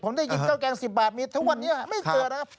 ผมได้ยินข้าวแกง๑๐บาทมีทุกวันนี้ไม่เจอนะครับ